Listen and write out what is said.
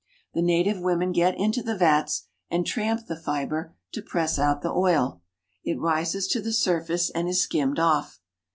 The native women get into the vats and tramp the fiber to press out the oil. It rises to the surface and is skimmed off.